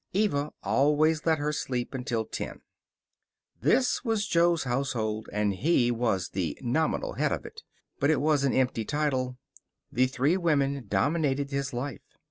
Eva always let her sleep until ten. This was Jo's household, and he was the nominal head of it. But it was an empty title. The three women dominated his life.